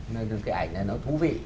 nên cái ảnh này nó thú vị